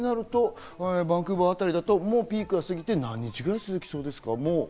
バンクーバー辺りだと、もうピークが過ぎて何日ぐらい続きそうですか？